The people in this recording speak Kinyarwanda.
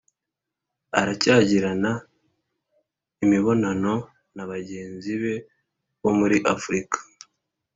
aracyagirana imibonano na bagenzi be bo muri afurika,